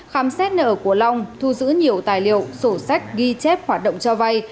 khám xét nợ của long thu giữ nhiều tài liệu sổ sách ghi chép hoạt động cho vay